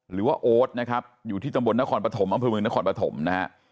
โอ๊ตนะครับอยู่ที่ตำบลนครปฐมอำเภอเมืองนครปฐมนะฮะ